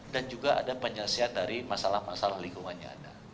dan juga ada penyelesaian dari masalah masalah lingkungannya